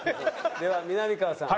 ではみなみかわさん。